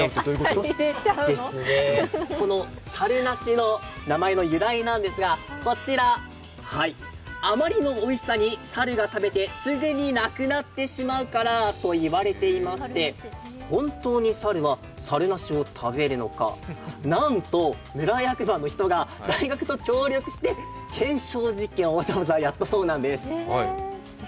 そしてさるなしの名前の由来なんですがこちら、あまりのおいしさに猿が食べてすぐなくなってしまうからと言われていまして、本当に猿は、さるなしを食べるのかなんと村役場の人が大学と協力して検証実験をわざわざやったそうなんです。